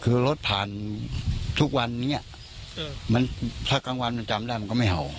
คือรถผ่านทุกวันนี้ถ้ากลางวันมันจำได้มันก็ไม่เห่า